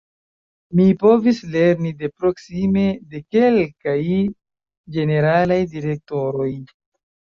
Mi povis lerni de proksime de kelkaj ĝeneralaj direktoroj.